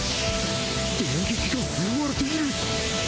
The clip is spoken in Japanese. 電撃が吸われている！？